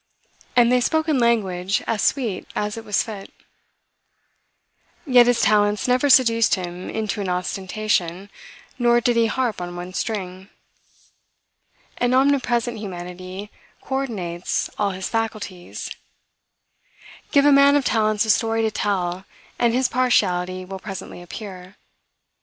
And they spoke in language as sweet as it was fit. Yet his talents never seduced him into an ostentation, nor did he harp on one string. An omnipresent humanity co ordinates all his faculties. Give a man of talents a story to tell, and his partiality will presently appear.